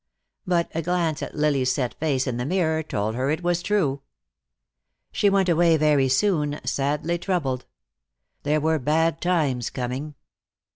But a glance at Lily's set face in the mirror told her it was true. She went away very soon, sadly troubled. There were bad times coming.